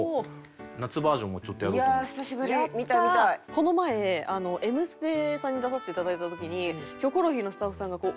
この前『Ｍステ』さんに出させていただいた時に。